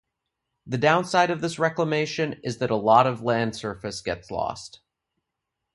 The downside of this reclamation is that a lot of land surface gets lost.